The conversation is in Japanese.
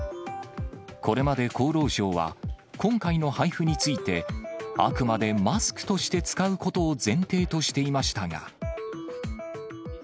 これまで厚労省は、今回の配布について、あくまでマスクとして使うことを前提としていましたが。